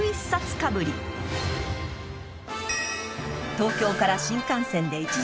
［東京から新幹線で１時間半］